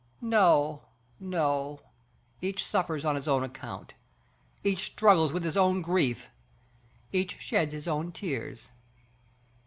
No, no, each suffers on his own account, each struggles with his own grief, each sheds his own tears.